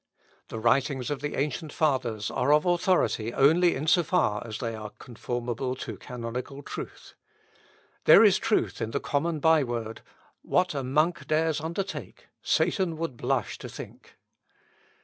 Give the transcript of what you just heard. The writings of the ancient fathers are of authority only in so far as they are conformable to canonical truth. There is truth in the common byword, 'What a monk dares undertake, Satan would blush to think.'"